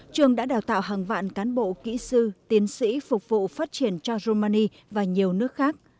trường đã đào tạo hàng vạn cán bộ kỹ sư tiến sĩ phục vụ phát triển cho rumani và nhiều nước khác